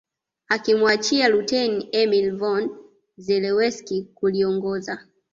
Akimwachia Luteni Emil von Zelewski kuliongoza